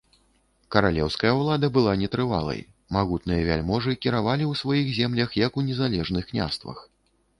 Каралеўская ўлада была нетрывалай, магутныя вяльможы кіравалі ў сваіх землях, як у незалежных княствах.